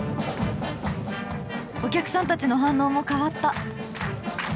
お客さんたちの反応も変わった。